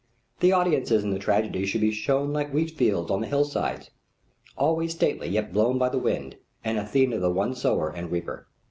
The audiences in the tragedies should be shown like wheat fields on the hill sides, always stately yet blown by the wind, and Athena the one sower and reaper.